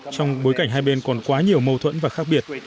trong bối cảnh hai bên còn quá nhiều mâu thuẫn và khác biệt